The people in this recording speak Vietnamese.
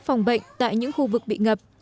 phòng bệnh tại những khu vực bị ngập